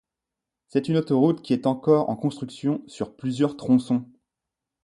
C'est une autoroute qui est encore en construction sur plusieurs tronçons.